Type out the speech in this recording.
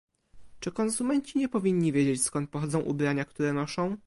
Czy konsumenci nie powinni wiedzieć, skąd pochodzą ubrania, które noszą?